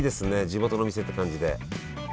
地元の店って感じで。